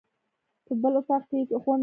په بل اطاق کې یې غونډه وه.